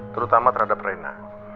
terutama terhadap rina